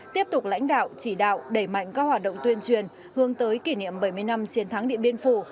tiếp tục lãnh đạo chỉ đạo đẩy mạnh các hoạt động tuyên truyền hướng tới kỷ niệm bảy mươi năm chiến thắng điện biên phủ